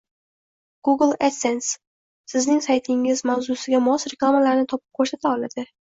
Google adsense Sizning saytingiz mavzusiga mos reklamalarni topib ko’rsata oladi